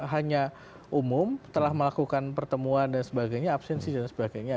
hanya umum telah melakukan pertemuan dan sebagainya absensi dan sebagainya